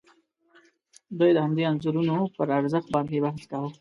دوی د همدې انځورونو پر ارزښت باندې بحث کاوه.